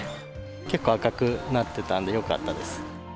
結構赤くなってたんで、よかったです。